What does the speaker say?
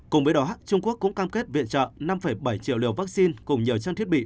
cùng với đó trung quốc cũng cam kết viện trợ năm bảy triệu liều vaccine cùng nhiều trang thiết bị